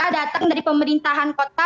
datang dari pemerintahan kota